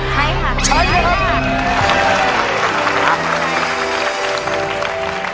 ใช่ใช่ใช่